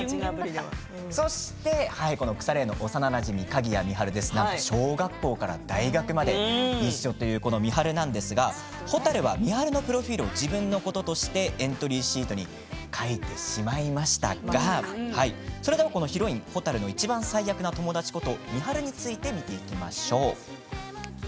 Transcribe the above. そして腐れ縁の幼なじみ鍵谷美晴ですが、小学校から大学まで一緒という美晴ですがほたるは美晴のプロフィールを自分のこととしてエントリーシートに書いてしまいましたがそれではこのヒロインほたるのいちばん最悪な友達こと美晴について見ていきましょう。